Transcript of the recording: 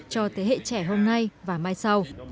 ngày hôm nay và mai sau